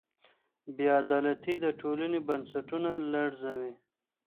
بې عدالتي د ټولني بنسټونه لړزوي.